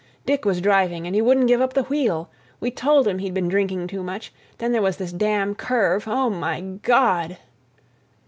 "Dick was driving and he wouldn't give up the wheel; we told him he'd been drinking too much—then there was this damn curve—oh, my _God!